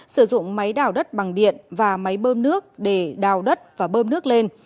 sử dụng máy đào đất bằng điện và máy bơm nước để đào đất và bơm nước lên